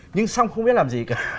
nhưng xong không biết làm gì cả